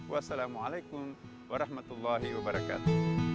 wassalamualaikum warahmatullahi wabarakatuh